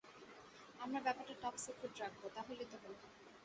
আমরা ব্যাপারটা top secret রাখব, তাহলেই তো হলো।